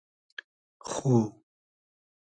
خو